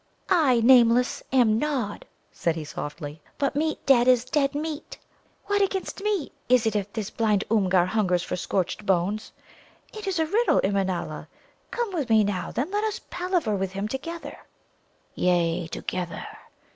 "I, Nameless, am Nod," said he softly. "But meat dead is dead meat. What against me is it if this blind Oomgar hungers for scorched bones? It is a riddle, Immanâla. Come with me now, then; let us palaver with him together." "Yea, together!"